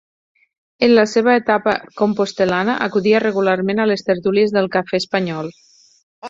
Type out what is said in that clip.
En la seva etapa compostel·lana acudia regularment a les tertúlies del Cafè Espanyol.